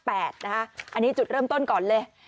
อันนี้จุดเริ่มต้นก่อนเลย